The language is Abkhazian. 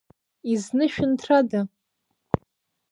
Изнышәынҭрада?